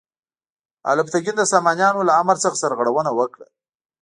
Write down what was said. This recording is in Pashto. الپتکین د سامانیانو له امر څخه سرغړونه وکړه.